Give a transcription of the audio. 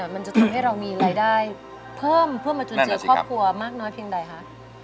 มันจะทำให้เรามีรายได้เพิ่มเพิ่มมาครมควรมากน้อยเพียงใดคะ